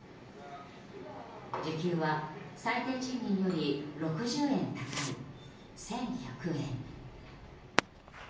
時給は最低賃金より６０円高い１１００円。